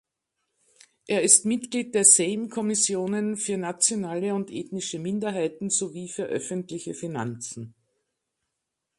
Er ist Mitglied der Sejm-Kommissionen für Nationale und Ethnische Minderheiten sowie für Öffentliche Finanzen.